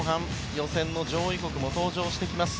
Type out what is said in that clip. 予選の上位国も登場してきます。